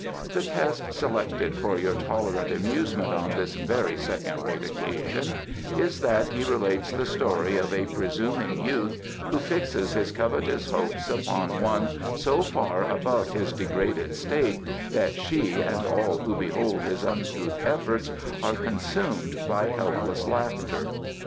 The test selected for your tolerant amusement on this very second rate occasion is that he relates the story of a presuming youth who fixes his covetous hopes upon one so far above his degraded state that she and all who behold his uncouth efforts are consumed by helpless laughter.